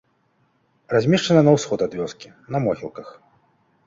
Размешчана на ўсход ад вёскі, на могілках.